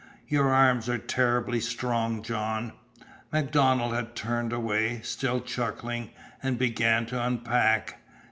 "Your arms are terribly strong, John!" MacDonald had turned away, still chuckling, and began to unpack.